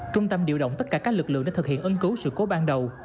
trung tâm điều động tất cả các lực lượng để thực hiện ứng cứu sự cố ban đầu